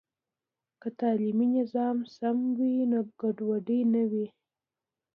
که تعلیمي نظام سم وي، نو ګډوډي نه وي.